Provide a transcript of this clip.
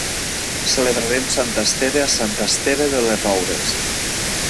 Celebrarem Sant Esteve a Sant Esteve de les Roures.